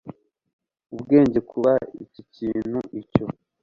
ubwenge kuba iki ikintu icyo